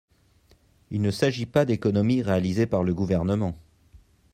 Il ne s’agit pas d’économies réalisées par le Gouvernement.